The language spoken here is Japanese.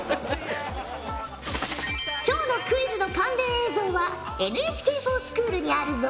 今日のクイズの関連映像はＮＨＫｆｏｒＳｃｈｏｏｌにあるぞ。